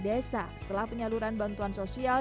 desa setelah penyaluran bantuan sosial